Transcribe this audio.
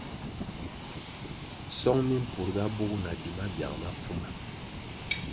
Song mi mpurga bugu na di mabiang ma pfuma.